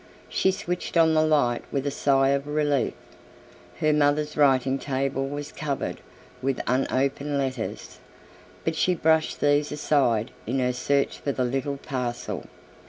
She switched on the light with a sigh of relief. Her mother's writing table was covered with unopened letters, but she brushed these aside in her search for the little parcel.